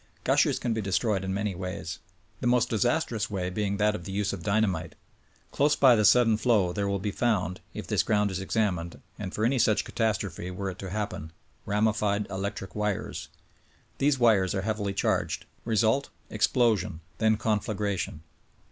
Gushers can be destroyed in many v/ays. The most disastrous way being that of the use of dynamite. Close by the sudden flow diere will be found, if the ground is examined, and after any such catastrophe— were it to happen — ramified electric wires. These wires are heavily dhargd. Result : Explosion ; then conflagration.